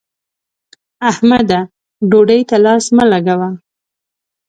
احمده! ډوډۍ ته لاس مه لګوه.